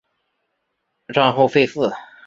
战后废寺。